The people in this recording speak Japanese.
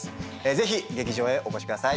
ぜひ劇場へお越しください